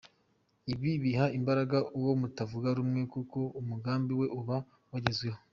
Ibi biha imbaraga uwo mutavuga rumwe kuko umugambi we uba wagezweho.